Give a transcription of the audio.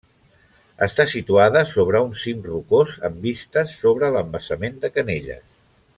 Està situada sobre un cim rocós amb vistes sobre l'embassament de Canelles.